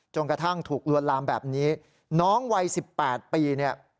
จนกระทั่งถูกลวนลามแบบนี้น้องวัยสิบแปดปีเนี้ย